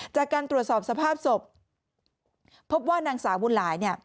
จากการตรวจสอบสภาพศพพบว่านางสาวบุญหลายเนี่ย